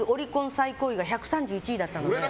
最高位が１３１位だったんで。